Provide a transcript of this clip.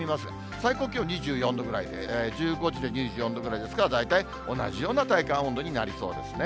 最高気温２４度ぐらいで、１５時で２４度ぐらいですから、大体同じような体感温度になりそうですね。